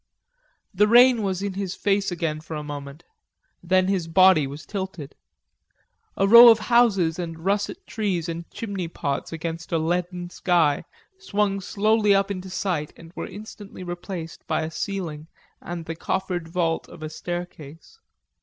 The rain was in his face again for a moment, then his body was tilted. A row of houses and russet trees and chimney pots against a leaden sky swung suddenly up into sight and were instantly replaced by a ceiling and the coffred vault of a staircase.